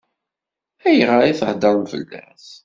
Ayɣer i theddṛem fell-as?